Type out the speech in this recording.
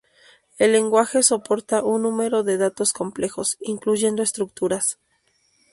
El lenguaje soporta un número de datos complejos, incluyendo estructuras.